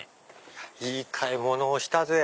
いい買い物をしたぜ！